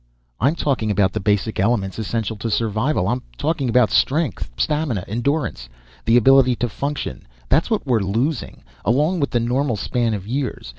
"I'm talking about the basic elements essential to survival. I'm talking about strength, stamina, endurance, the ability to function. That's what we're losing, along with the normal span of years.